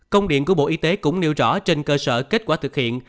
công điện của bộ y tế cũng nêu rõ trên cơ sở kết quả thực hiện